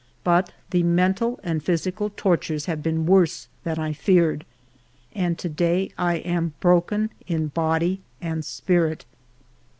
But the mental and physical tortures have been worse than I feared, and to day I am broken in body and spirit.